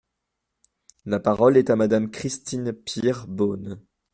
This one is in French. La parole est à Madame Christine Pires Beaune.